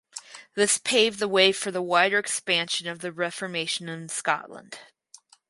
This paved the way for the wider expansion of the Reformation in Scotland.